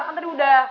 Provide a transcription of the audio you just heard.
kan tadi udah